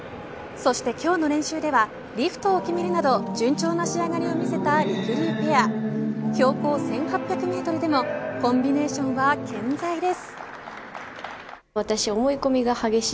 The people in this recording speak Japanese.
そして今日の練習ではリフトを決めるなど順調な仕上がりを見せたりくりゅうペア標高１８００メートルでもコンビネーションは健在です。